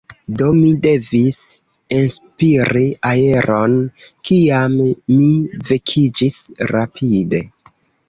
Do mi devis enspiri aeron, kiam mi vekiĝis rapide.